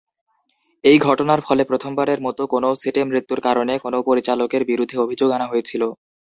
এই ঘটনার ফলে প্রথমবারের মতো কোনও সেটে মৃত্যুর কারণে কোনও পরিচালকের বিরুদ্ধে অভিযোগ আনা হয়েছিল।